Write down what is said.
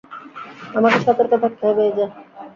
আমাকে সতর্ক থাকতে হবে, এই যা।